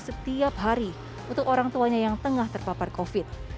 setiap hari untuk orang tuanya yang tengah terpapar covid